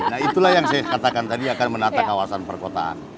nah itulah yang saya katakan tadi akan menata kawasan perkotaan